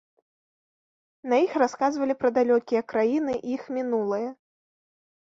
На іх расказвалі пра далёкія краіны і іх мінулае.